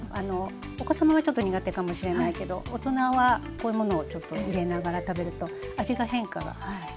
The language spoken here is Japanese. お子様はちょっと苦手かもしれないけど大人はこういうものをちょっと入れながら食べると味が変化が味の変化が楽しめますね。